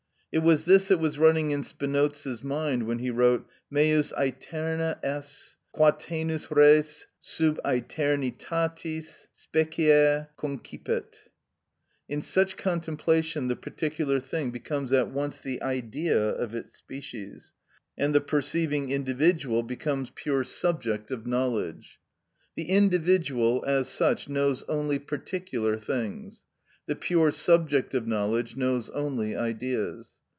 It was this that was running in Spinoza's mind when he wrote: _Meus æterna est, quatenus res sub æternitatis specie __ concipit_ (Eth. V. pr. 31, Schol.)(47) In such contemplation the particular thing becomes at once the Idea of its species, and the perceiving individual becomes pure subject of knowledge. The individual, as such, knows only particular things; the pure subject of knowledge knows only Ideas.